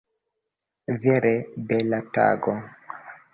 Vere bela tago!